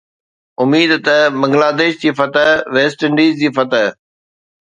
اميد ته بنگلاديش جي فتح، ويسٽ انڊيز جي فتح